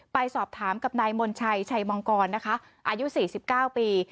ไปสอบถามกับนายมณชัยชัยมองกรนะคะอายุสี่สิบเก้าปี